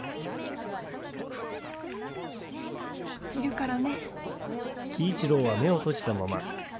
いるからね。